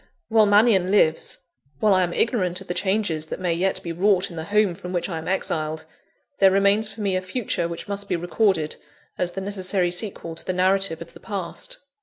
While Mannion lives while I am ignorant of the changes that may yet be wrought in the home from which I am exiled there remains for me a future which must be recorded, as the necessary sequel to the narrative of the past.